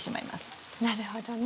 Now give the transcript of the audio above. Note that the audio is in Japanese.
なるほどね。